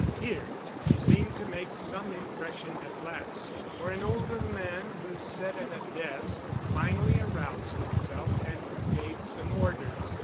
Here she seemed to make some impression at last, for an older man, who sat at a desk, finally aroused himself and gave some orders.